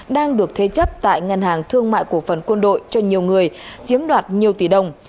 đang được thế chấp tại ngân hàng thương mại cổ phần quân đội cho nhiều người chiếm đoạt nhiều tỷ đồng